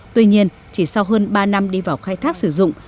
tuy nhiên chỉ sau hơn ba năm đi vào khai thác sử dụng